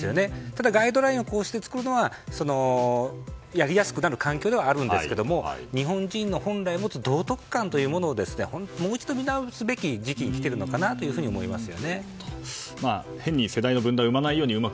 ただガイドラインをこうして作るのはやりやすくなる環境ではあるんですが日本人の本来持つ道徳観をもう一度見直すべき時期に来ているのかなと思います。